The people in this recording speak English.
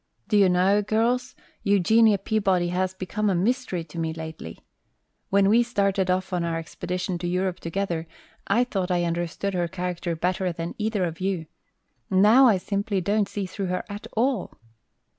"Do you know, girls, Eugenia Peabody has become a mystery to me lately? When we started off on our expedition to Europe together, I thought I understood her character better than either of you. Now I simply don't see through her at all!"